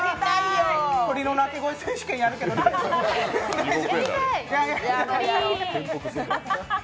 鳥の鳴き声選手権やるけどいい？